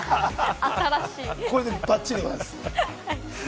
ばっちりでございます。